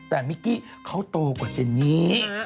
แต่มิกกี้เขาโตกว่าเจนนี่